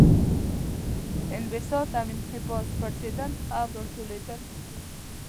انبساط او انقباض پړسیدل او راټولیدل دي.